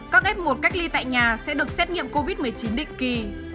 các f một cách ly tại nhà sẽ được xét nghiệm covid một mươi chín định kỳ